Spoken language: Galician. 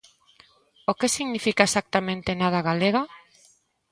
O que significa exactamente nada galega?